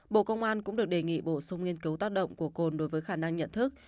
bộ công an cũng được đề nghị bổ sung nghiên cứu tác động của cồn đối với khả năng nhận thức